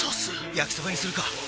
焼きそばにするか！